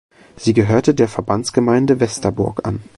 Sie gehört der Verbandsgemeinde Westerburg an.